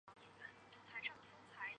对罹难者家属